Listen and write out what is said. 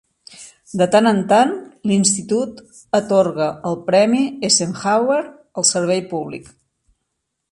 De tant en tant, l'Institut atorga el Premi Eisenhower al Servei Públic.